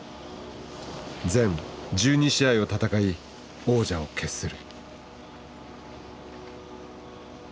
全１２試合を戦い王者を決する。